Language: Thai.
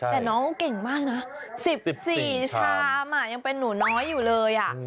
แต่น้องเก่งมากนะ๑๔ชามยังเป็นหนูน้อยอยู่เลย